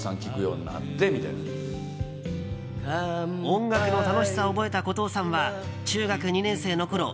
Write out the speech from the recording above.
音楽の楽しさを覚えた後藤さんは中学２年生のころ